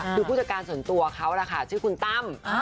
คือผู้จัดการส่วนตัวเขาล่ะค่ะชื่อคุณตั้ม